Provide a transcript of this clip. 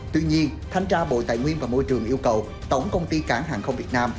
tuy nhiên thanh tra bộ tài nguyên và môi trường yêu cầu tổng công ty cảng hàng không việt nam